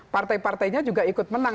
partai partainya juga ikut menang